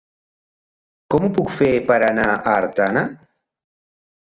Com ho puc fer per anar a Artana?